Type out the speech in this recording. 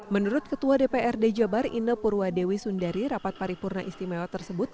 menurut ketua dprd jabar ine purwadewi sundari rapat paripurna istimewa tersebut